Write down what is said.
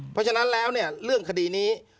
เพราะฉะนั้นแล้วเนี่ยเรื่องคดีนี้